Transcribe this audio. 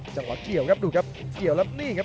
จังหวะเกี่ยวครับดูครับเกี่ยวแล้วนี่ครับ